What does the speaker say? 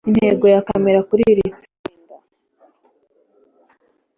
Intego ya kamera kuri iri tsinda